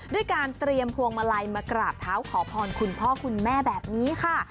ด้วยการเตรียมพวงมาลัยมากราบเท้าขอพรคุณพ่อคุณแม่แบบนี้ค่ะ